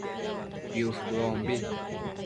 piush bëombi